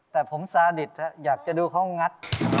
แต่ผมซาดิตอยากจะดูเขางัด